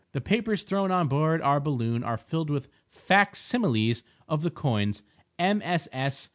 The papers thrown on board our balloon are filled with fac similes of the coins, MSS.